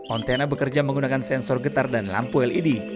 ontena bekerja menggunakan sensor getar dan lampu led